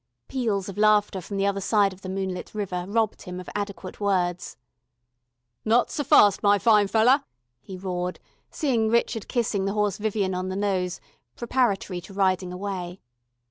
Peals of laughter from the other side of the moonlit river robbed him of adequate words. "Not ser fast, my fine feller," he roared, seeing Richard kissing the Horse Vivian on the nose, preparatory to riding away.